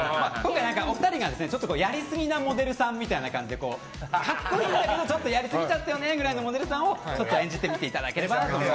お二人がやりすぎなモデルさんみたいな感じで格好いいんだけどちょっとやりすぎちゃったよねみたいなモデルさんを演じていただければと。